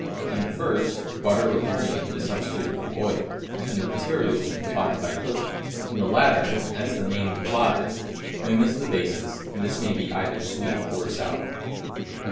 In the first, butter, or cream, is substituted for oil, and the materials are combined by cooking. In the latter, as the name implies, cream is the basis, and this may be either sweet or sour.